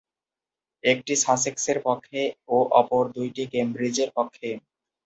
একটি সাসেক্সের পক্ষে ও অপর দুইটি কেমব্রিজের পক্ষে।